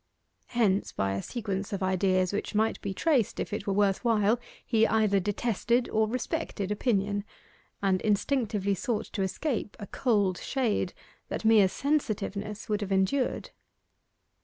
Hence by a sequence of ideas which might be traced if it were worth while, he either detested or respected opinion, and instinctively sought to escape a cold shade that mere sensitiveness would have endured.